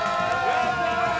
やったー！